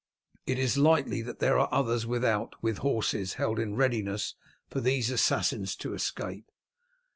It is likely that there are others without with horses held in readiness for these assassins to escape."